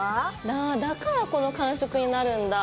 なあだからこの感触になるんだ。